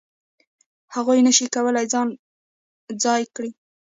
هغوی نه شي کولای ځان ځای کړي.